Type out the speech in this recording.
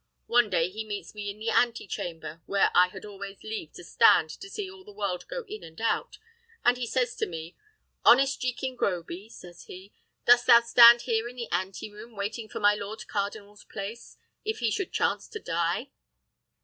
One day he meets me in the ante chamber, where I had always leave to stand to see all the world go in and out, and he says to me, 'Honest Jekin Groby,' says he, 'dost thou stand here in the ante room waiting for my Lord Cardinal's place, if he should chance to die?'